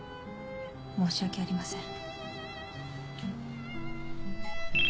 申し訳ありません。